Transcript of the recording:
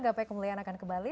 gapai kemuliaan akan kembali